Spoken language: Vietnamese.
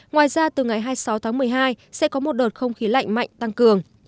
ngoài ra từ ngày hai mươi sáu tháng một mươi hai sẽ có một đợt không khí lạnh mạnh tăng cường